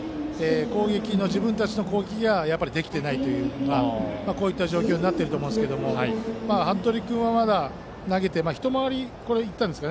自分たちの攻撃ができていないというこういった状況になっていると思いますけど服部君はまだ一回り目ですか。